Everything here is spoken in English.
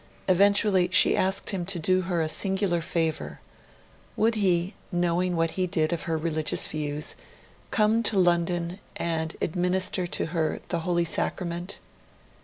Eventually, she asked him to do her a singular favour. Would he, knowing what he did of her religious views, come to London and administer to her the Holy Sacrament?